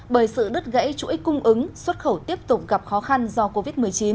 bởi sự đứt gãy chuỗi cung ứng xuất khẩu tiếp tục gặp khó khăn do covid một mươi chín